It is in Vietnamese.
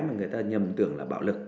mà người ta nhầm tưởng là bạo lực